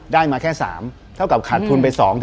ได้มาแค่๓เท่ากับขาดทุนไป๒๗